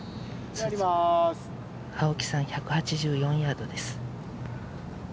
青木さん、１８４ヤードです。